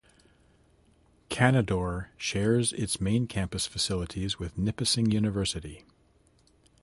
Canadore shares its main campus facilities with Nipissing University.